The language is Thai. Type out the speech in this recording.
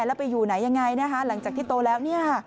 แล้วไปอยู่ไหนยังไงหลังจากที่โตแล้ว